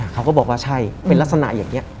เขาก็บอกว่าใช่เป็นลักษณะอย่างนี้